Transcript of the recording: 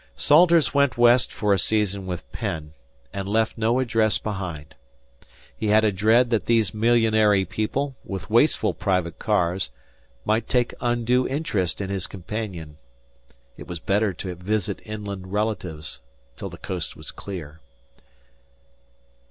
Salters went West for a season with Penn, and left no address behind. He had a dread that these millionary people, with wasteful private cars, might take undue interest in his companion. It was better to visit inland relatives till the coast was clear.